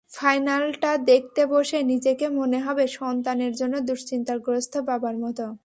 ফাইনালটা দেখতে বসে নিজেকে মনে হবে সন্তানের জন্য দুশ্চিন্তাগ্রস্ত বাবার মতো।